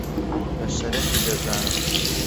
بە شەرەفی دەزانن